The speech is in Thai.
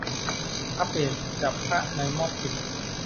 อัพเดต "จับพระในม็อบสึก"